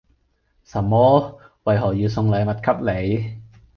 什麼？為何要送禮物給你？